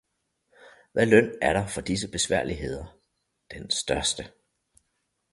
Hvad løn er der for disse besværligheder? Den største!